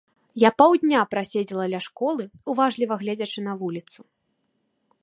Я паўдня праседзела ля школы, уважліва гледзячы на вуліцу.